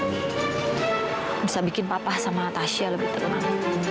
bisa bikin papa sama tasya lebih tenang